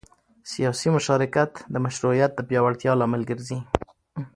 سیاسي مشارکت د مشروعیت د پیاوړتیا لامل ګرځي